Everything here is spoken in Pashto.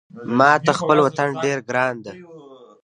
ماته خپل وطن ډېر ګران ده